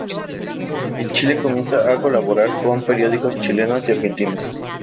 En Chile comienza a colaborar con periódicos chilenos y argentinos.